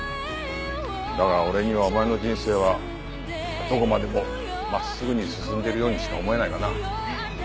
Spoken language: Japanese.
だが俺にはお前の人生はどこまでも真っすぐに進んでいるようにしか思えないがな。